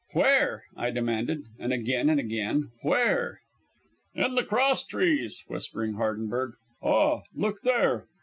"Where?" I demanded, and again and again "where?" "In the crosstrees," whispered Hardenberg. "Ah, look there."